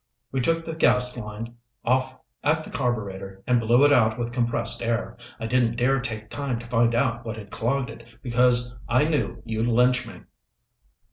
We took the gas line off at the carburetor and blew it out with compressed air. I didn't dare take time to find out what had clogged it, because I knew you'd lynch me."